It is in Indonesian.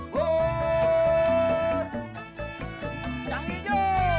gue mau ke sana